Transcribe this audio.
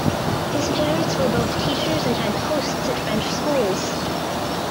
His parents were both teachers and had posts at French schools.